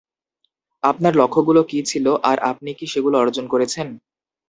আপনার লক্ষ্যগুলো কী ছিল আর আপনি কি সেগুলো অর্জন করেছেন?